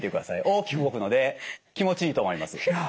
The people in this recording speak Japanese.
大きく動くので気持ちいいと思います。